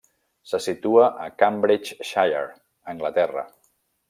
Se situa a Cambridgeshire, Anglaterra.